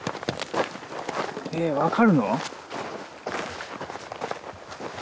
え分かるの？